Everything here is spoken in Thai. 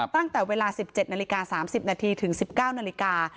ตั้งแต่เวลา๑๗นาฬิกา๓๐นาทีถึง๑๙นาฬิกา